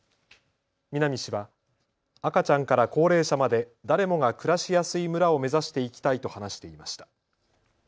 南氏は赤ちゃんから高齢者まで誰もが暮らしやすい村を目指していきたいと話していました。